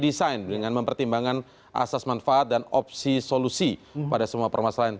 desain dengan mempertimbangkan asas manfaat dan opsi solusi pada semua permasalahan